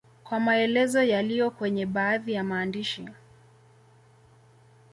kwa maelezo yaliyo kwenye baadhi ya maandishi